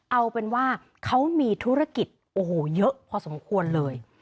เอาเป็นว่าเขามีธุรกิจโอ้โหเยอะพอสมควรเลย